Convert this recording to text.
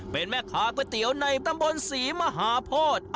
เป็นแม่ค้าก๋วยเตี๋ยวในตำบลศรีมหาโพธิ